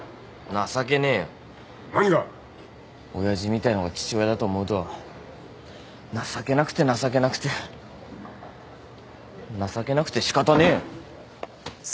親父みたいのが父親だと思うと情けなくて情けなくて情けなくて仕方ねえよ。